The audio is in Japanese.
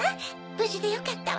ぶじでよかったわ。